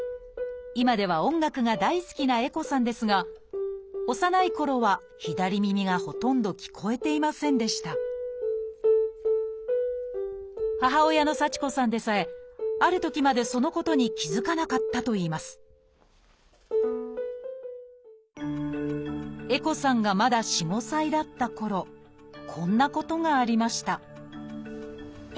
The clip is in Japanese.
今では音楽が大好きな絵心さんですが幼いころは左耳がほとんど聞こえていませんでした母親の幸子さんでさえあるときまでそのことに気付かなかったといいます絵心さんがまだ４５歳だったころこんなことがありました